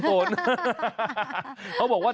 เขาบอกว่า